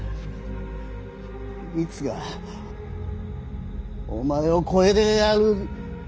いつかお前を超えてやる。